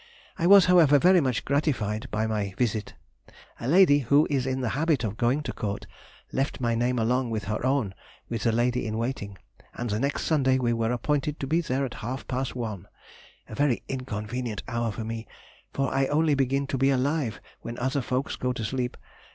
I was, however, very much gratified by my visit. A lady, who is in the habit of going to Court, left my name along with her own with the lady in waiting, and the next Sunday we were appointed to be there at half past one (a very inconvenient hour for me, for I only begin to be alive when other folks go to sleep).